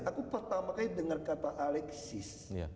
aku pertama kali dengar kata alexis